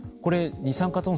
二酸化炭素